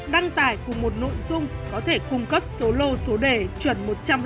đăng tải cùng một nội dung có thể cung cấp số lô số đề chuẩn một trăm linh